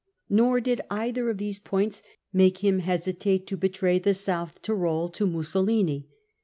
Nor did either of these points make him hesitate to betray * the South Tyrol to Mussolini.